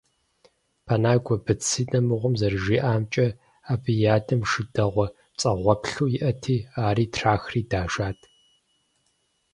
Пэнагуэ Быцинэ мыгъуэм зэрыжиӏэжамкӏэ, абы и адэм шы дэгъуэ пцӏэгъуэплъу иӏэти, ари трахри дашат.